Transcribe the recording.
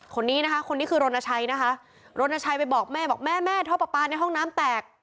คนนี้นะคะคนนี้คือรณชัยนะคะรณชัยไปบอกแม่บอกแม่แม่ท่อปลาปลาในห้องน้ำแตก